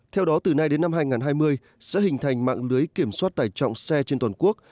theo đó từ nay đến năm hai nghìn hai mươi sẽ hình thành mạng lưới kiểm soát tải trọng xe trên toàn quốc